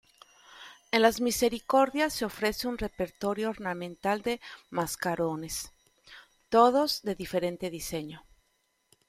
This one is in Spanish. En las misericordias se ofrece un repertorio ornamental de mascarones, todos de diferente diseño.